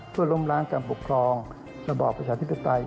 เพื่อล้มล้างการปกครองระบอบประชาธิปไตย